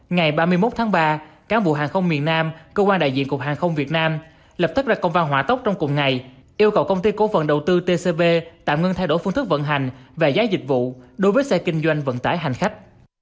ngày ba mươi một tháng ba cán bộ hàng không miền nam cơ quan đại diện cục hàng không việt nam lập tức ra công văn hỏa tốc trong cùng ngày yêu cầu công ty cố phần đầu tư tcb tạm ngưng thay đổi phương thức vận hành và giá dịch vụ đối với xe kinh doanh vận tải hành khách